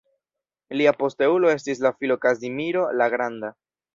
Lia posteulo estis la filo Kazimiro la Granda.